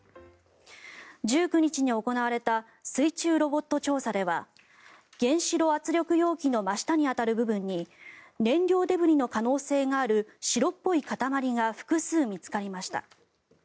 １９日に行われた水中ロボット調査では原子炉圧力容器の真下に当たる部分に燃料デブリの可能性がある白っぽい塊が複数、見つかりました。